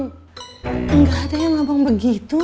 gak ada yang ngomong begitu ma